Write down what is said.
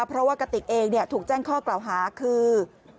เพราะว่ากติกเองถูกแจ้งข้อกล่าวหาคือ